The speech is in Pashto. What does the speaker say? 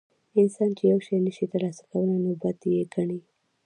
انسان چې یو شی نشي ترلاسه کولی نو بد یې ګڼي.